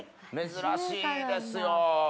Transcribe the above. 珍しいですよ。